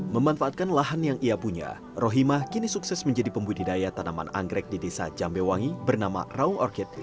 memanfaatkan lahan yang ia punya rohima kini sukses menjadi pembudidaya tanaman anggrek di desa jambewangi bernama raung orked